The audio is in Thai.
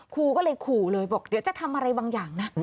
ครูก็เลยขู่เลยบอกเดี๋ยวจะทำอะไรบางอย่างนะ